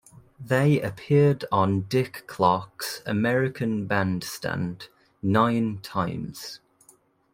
They appeared on Dick Clark's "American Bandstand" nine times.